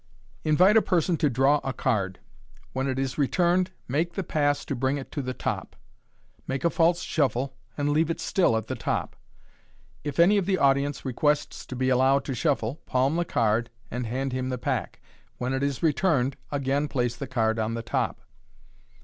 — Invite a person to draw a card. When it is returnea, make the pass to bring it to the top. Make a false shuffle, and leave it still at the top. If any of the audi ence requests to be allowed to shuffle, palm the card, and hand hwn the pack. When it is returned, again place the card on the top.